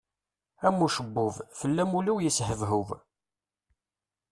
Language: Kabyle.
Am ucebbub, fell-am ul-iw yeshebhub.